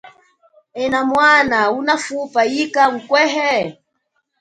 Enamwana, unafupa yika ngukwehe?